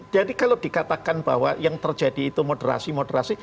jadi kalau dikatakan bahwa yang terjadi itu moderasi moderasi